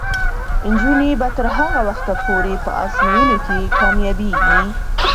نجونې به تر هغه وخته پورې په ازموینو کې کامیابیږي.